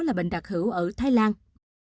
là bệnh đặc hữu ở thái lan